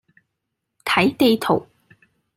睇地圖